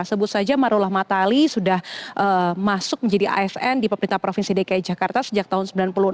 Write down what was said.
sebut saja marullah matali sudah masuk menjadi asn di pemerintah provinsi dki jakarta sejak tahun seribu sembilan ratus sembilan puluh enam